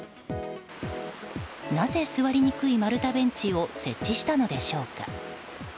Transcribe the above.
なぜ、座りにくい丸太ベンチを設置したのでしょうか。